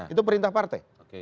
itu perintah partai